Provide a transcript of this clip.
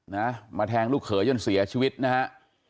นะมาแทงลูกเขยจนเสียชีวิตนะฮะ